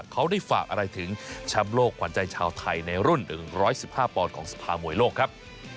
เค้าได้ฝากอะไรถึงชำโลกความใจชาวไทยในรุ่นหนึ่งร้อยสิบห้าปอนด์ของสภาโมยโลกครับ